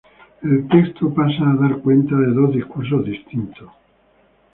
El texto pasa a dar cuenta de dos discursos distintos.